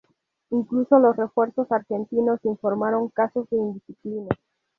Incluso los refuerzos argentinos informaron casos de indisciplina.